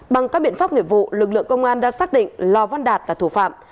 bằng các biện pháp nghiệp vụ lực lượng công an đã xác định lò văn đạt là thủ phạm